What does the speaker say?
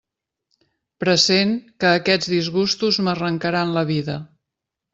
Pressent que aquests disgustos m'arrancaran la vida.